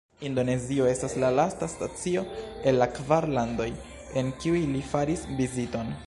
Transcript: Indonezio estas la lasta stacio el la kvar landoj, en kiuj li faris viziton.